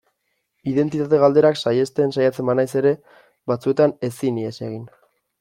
Identitate galderak saihesten saiatzen banaiz ere, batzuetan ezin ihes egin.